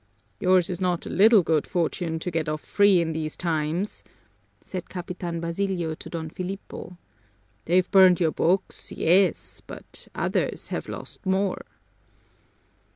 "Yours is not a little good fortune, to get off free in these times!" said Capitan Basilio to Don Filipo. "They've burned your books, yes, but others have lost more."